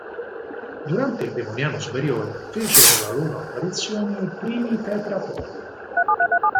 Durante il Devoniano superiore fecero la loro apparizione i primi Tetrapodi.